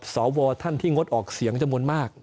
สวท่านที่งดออกเสียงจำนวนมาก